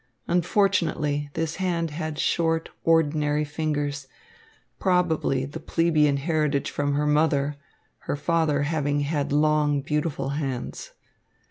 Unfortunately, this hand had short, ordinary fingers, probably the plebeian heritage from her mother, her father having had long, beautiful hands.